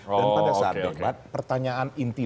dan pada saat debat pertanyaan inti